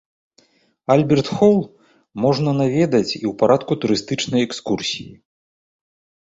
Альберт-хол можна наведаць і ў парадку турыстычнай экскурсіі.